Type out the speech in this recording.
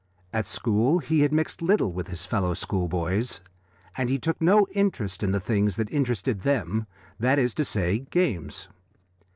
At school he had mixed little with his fellow school boys, and he took no interest in the things that interested them, that is to say, games.